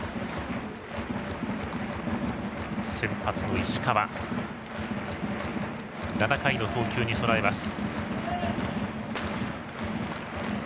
先発の石川は７回の投球に備えています。